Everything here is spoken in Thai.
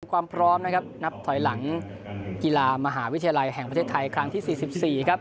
ความพร้อมนะครับนับถอยหลังกีฬามหาวิทยาลัยแห่งประเทศไทยครั้งที่๔๔ครับ